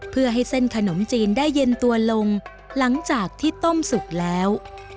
เพื่อให้เส้นขนมจีนได้เย็นตัวลงหลังจากที่ต้มสุกแล้ว